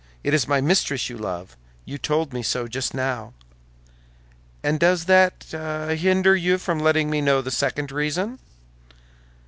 It is my mistress you love; you told me so just now." "And does that hinder you from letting me know the second reason?"